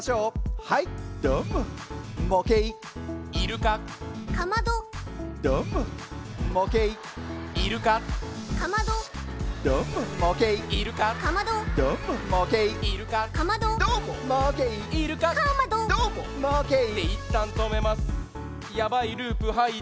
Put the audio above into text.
はいどーももけいイルカかまどどーももけいイルカかまどどーももけいイルカかまどどーももけいイルカかまどどーももけいイルカかまどどーももけいっていったんとめますやばいループはいってた